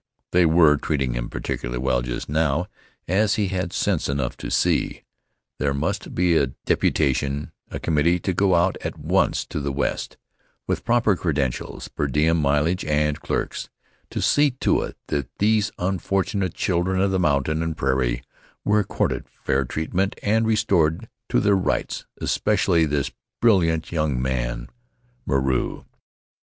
(They were treating him particularly well just now, as he had sense enough to see.) There must be a deputation, a committee to go out at once to the West, with proper credentials, per diem, mileage and clerks, to see to it that these unfortunate children of the mountain and prairie were accorded fair treatment and restored to their rights, especially this brilliant young man Moreau.